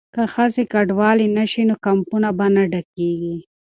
که ښځې کډوالې نه شي نو کیمپونه به نه ډکیږي.